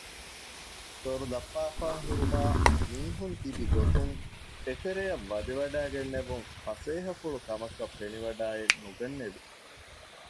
ދޮރުލައްޕާފައި ހުރުމާ މީހުންތިބިގޮތުން އެތެރެޔަށް ވެދެވަޑައިގެންނެވުން ފަސޭހަފުޅުކަމަކަށް ފެނިވަޑައެއް ނުގެނެވި